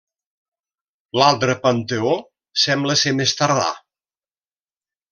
L'altre panteó sembla ser més tardà.